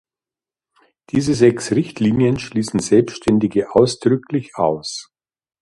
Diese sechs Richtlinien schließen Selbständige ausdrücklich aus.